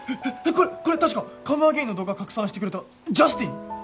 これこれ確か「ＣｏｍｅＡｇａｉｎ」の動画拡散してくれたジャスティン！？